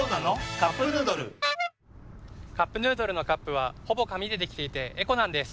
「カップヌードル」「カップヌードル」のカップはほぼ紙でできていてエコなんです。